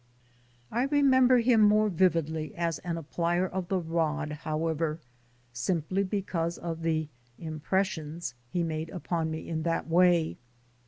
I remember him more vividly as an applier of the rod, however, simply because of the impressions he made upon me in that way.